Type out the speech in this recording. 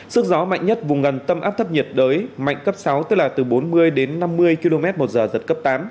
sức gió mạnh nhất vùng gần tâm áp thấp nhiệt đới mạnh cấp sáu tức là từ bốn mươi đến năm mươi km một giờ giật cấp tám